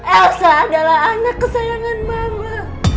elsa adalah anak kesayangan mama